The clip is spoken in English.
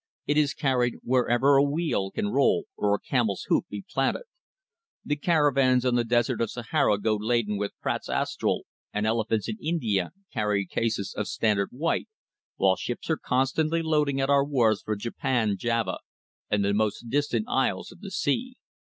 It is carried wherever a wheel can roll or a camel's hoof be planted. The caravans on the desert of Sahara go laden with Pratt's Astral, and elephants in India carry cases of 'Standard white,' while ships are constantly loading at our wharves for Japan, Java and the most distant isles of the sea."